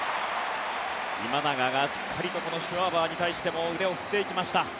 今永がしっかりとこのシュワバーに対しても腕を振っていきました。